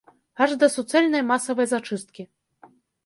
Аж да суцэльнай масавай зачысткі.